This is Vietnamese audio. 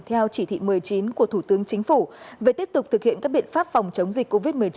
theo chỉ thị một mươi chín của thủ tướng chính phủ về tiếp tục thực hiện các biện pháp phòng chống dịch covid một mươi chín